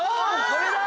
これだ！